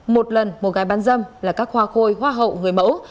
một lần một gái bán dâm là các hoa khôi hoa hậu người mẫu